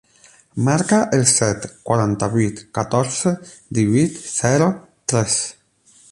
Marca el set, quaranta-vuit, catorze, divuit, zero, tres.